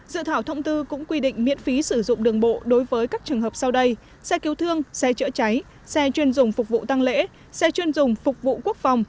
dự thảo thông tư cũng quy định miễn phí sử dụng đường bộ đối với các trường hợp sau đây xe cứu thương xe chữa cháy xe chuyên dùng phục vụ tăng lễ xe chuyên dùng phục vụ quốc phòng